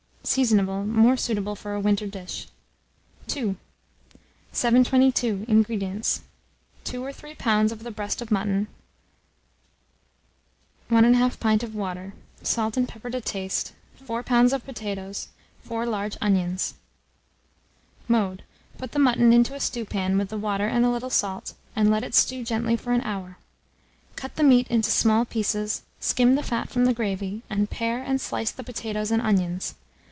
Seasonable. More suitable for a winter dish. II. 722. INGREDIENTS. 2 or 3 lbs. of the breast of mutton, 1 1/2 pint of water, salt and pepper to taste, 4 lbs. of potatoes, 4 large onions. Mode. Put the mutton into a stewpan with the water and a little salt, and let it stew gently for an hour; cut the meat into small pieces, skim the fat from the gravy, and pare and slice the potatoes and onions.